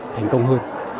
thành công hơn